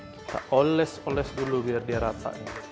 kita oles oles dulu biar dia rata